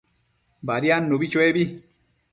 Badiadnubi chuebi